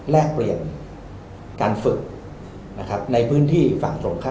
แลกเปลี่ยนการฝึกนะครับในพื้นที่ฝั่งตรงข้าม